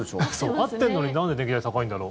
合ってるのになんで電気代、高いんだろう。